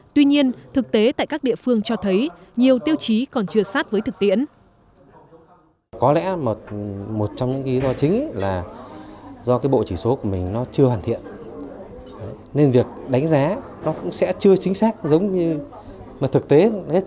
tuy nhiên thực tế tại các địa phương cho thấy nhiều tiêu chí còn chưa sát với thực tiễn